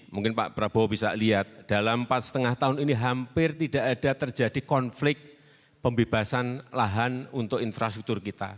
mungkin pak prabowo bisa lihat dalam empat lima tahun ini hampir tidak ada terjadi konflik pembebasan lahan untuk infrastruktur kita